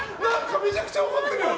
めちゃくちゃ怒ってる！